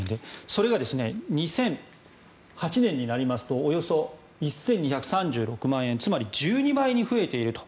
それが２００８年になりますとおよそ１２３６万円つまり１２倍に増えていると。